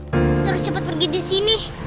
kita harus cepat pergi dari sini